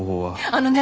あのね